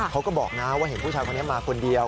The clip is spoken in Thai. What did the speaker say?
เขาก็บอกนะว่าเห็นผู้ชายคนนี้มาคนเดียว